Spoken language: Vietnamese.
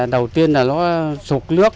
đầu tiên là nó sụp nước